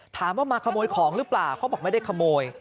ถามว่ามาขโมยของหรือเปล่าเขาบอกไม่ได้ขโมย